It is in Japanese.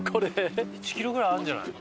１キロぐらいあるんじゃないの？